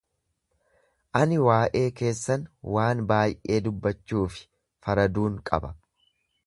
Ani waa'ee keessan waan baay'ee dubbachuu fi faraduun qaba.